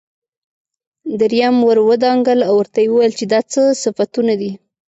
دريم ور ودانګل او ورته يې وويل چې دا څه صفتونه دي.